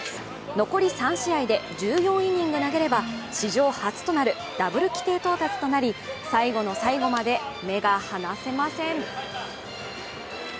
残り３試合で１４イニング投げれば史上初となるダブル規定到達となり、最後の最後まで目が離せません。